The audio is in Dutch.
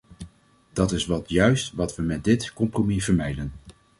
Dat is wat juist wat we met dit compromis vermijden.